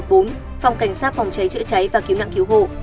phòng cảnh sát phòng cháy chữa cháy và cứu nạn cứu hộ